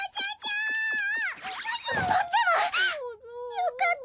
よかった。